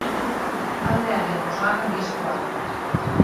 Taldearen bosgarren diskoa da.